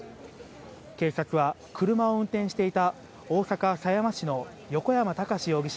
警察は、車を運転していた、大阪狭山市の横山孝容疑者